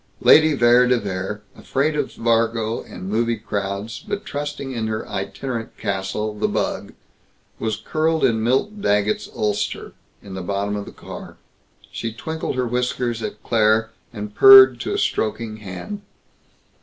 Lady Vere de Vere, afraid of Fargo and movie crowds, but trusting in her itinerant castle, the bug, was curled in Milt Daggett's ulster, in the bottom of the car. She twinkled her whiskers at Claire, and purred to a stroking hand.